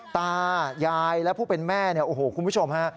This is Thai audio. ตายายและผู้เป็นแม่เนี่ยโอ้โหคุณผู้ชมฮะ